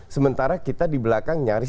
sementara kita di belakang nyaris